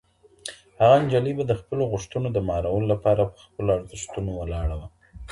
هغه نجلۍ به د خپلو غوښتنو د مهارولو لپاره په خپلو ارزښتونو ولاړه وه.